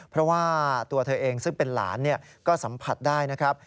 เพราะว่าตัวเธอเองซึ่งเป็นหลานก็สัมผัสได้นะครับ